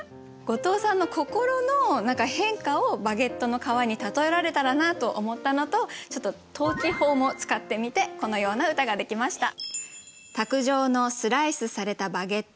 後藤さんの心の変化をバゲットの皮に例えられたらなと思ったのとちょっと倒置法も使ってみてこのような歌ができました。